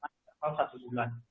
setiap satu bulan